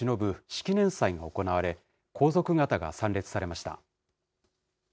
式年祭が行われ、皇族方が参列されました。